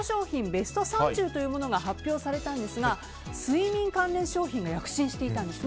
ベスト３０というものが発表されたんですが睡眠関連商品が躍進していたんです。